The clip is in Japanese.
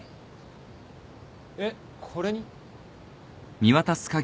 えっこれに？